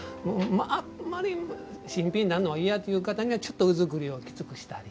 あんまり新品になるのは嫌という方にはちょっと浮造りをきつくしたり。